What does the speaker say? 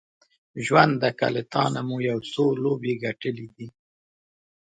ژونده که له تانه مو یو څو لوبې ګټلې دي